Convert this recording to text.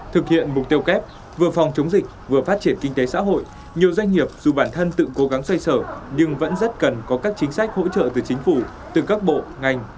thực hiện mục tiêu kép vừa phòng chống dịch vừa phát triển kinh tế xã hội nhiều doanh nghiệp dù bản thân tự cố gắng xoay sở nhưng vẫn rất cần có các chính sách hỗ trợ từ chính phủ từ các bộ ngành